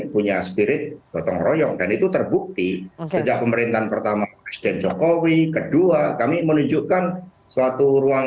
tapi kita harus jeda terlebih dahulu